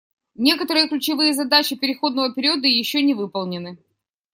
Некоторые ключевые задачи переходного периода еще не выполнены.